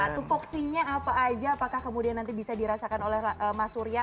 nah itu fungsinya apa saja apakah nanti bisa dirasakan oleh mas surya